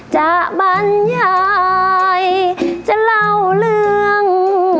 บรรยายจะเล่าเรื่อง